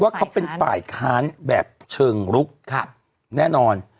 เขาเป็นฝ่ายค้านแบบเชิงลุกแน่นอน